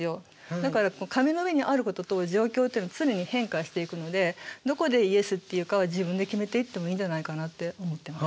だから紙の上にあることと状況っていうのは常に変化していくのでどこでイエスって言うかは自分で決めていってもいいんじゃないかなって思ってます。